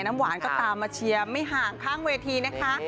น้ำหวานก็ตามมาเชียร์ไม่ห่างข้างเวทีนะคะ